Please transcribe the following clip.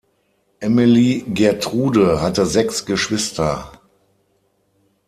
Emily Gertrude hatte sechs Geschwister.